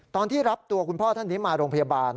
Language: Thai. ตอนที่รับตัวคุณพ่อท่านนี้มาโรงพยาบาล